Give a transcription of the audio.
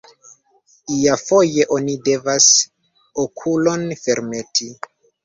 Iafoje oni devas okulon fermeti.